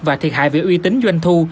và thiệt hại về uy tín doanh thu